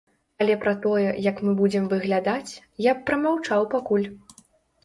Але пра тое, як мы будзем выглядаць, я б прамаўчаў пакуль!